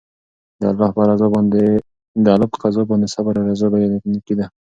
د الله په قضا باندې صبر او رضا لویه نېکي ده.